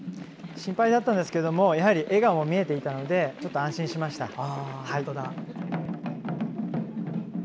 心配だったんですけども笑顔も見えていたのでちょっと安心しました。